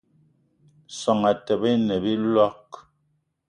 Soan Etaba ine a biloig